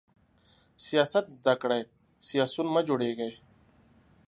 سیاست زده کړئ، سیاسیون مه جوړیږئ!